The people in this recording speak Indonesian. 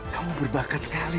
kamu berbakat sekali